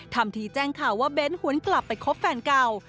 ทำทีแจ้งข่าวว่าเบ้นหวนกลับไปคบแฟนเก่า